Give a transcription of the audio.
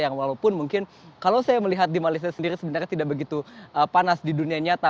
yang walaupun mungkin kalau saya melihat di malaysia sendiri sebenarnya tidak begitu panas di dunia nyata